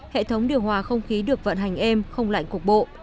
hệ thống điều hòa không khí được vận hành êm không lạnh cục bộ